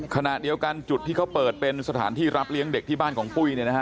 ขณะเดียวกันจุดที่เขาเปิดเป็นสถานที่รับเลี้ยงเด็กที่บ้านของปุ้ยเนี่ยนะฮะ